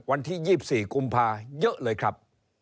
วันที่๒๔กุมภาเยอะเลยครับ